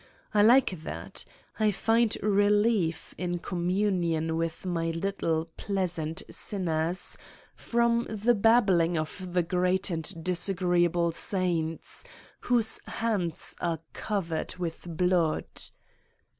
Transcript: I like that. I find relief in communion with my 78 Satan's Diary little, pleasant sinners, from the babbling of the great and disagreeable saints ... whose hands are covered with blood.